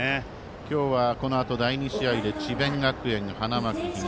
今日はこのあと第２試合で智弁学園、花巻東。